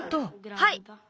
はい！